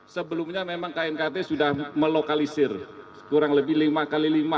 sebelumnya memang knkt sudah melokalisir kurang lebih lima x lima